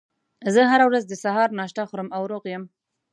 زه هره ورځ د سهار ناشته خورم او روغ یم